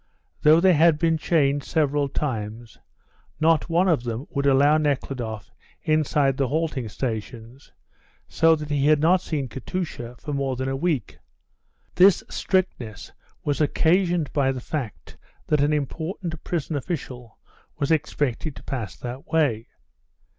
Though they had been changed several times, not one of them would allow Nekhludoff inside the halting stations, so that he had not seen Katusha for more than a week. This strictness was occasioned by the fact that an important prison official was expected to pass that way.